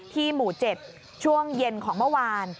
ที่หมู่เจ็บช่วงเย็นของเมื่อวาน